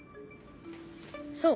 そう。